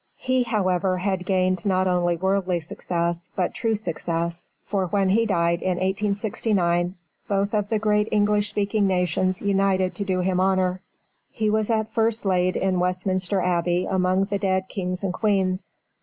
He, however, had gained not only worldly success, but true success, for when he died in 1869, both of the great English speaking nations united to do him honor. He was at first laid in Westminister Abbey among the dead kings and queens.